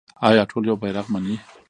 آیا ټول یو بیرغ مني؟